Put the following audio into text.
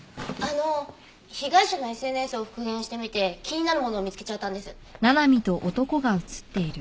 あの被害者のＳＮＳを復元してみて気になるものを見つけちゃったんです。